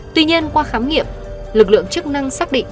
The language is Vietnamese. tuy nhiên qua khám nghiệm lực lượng chức năng xác định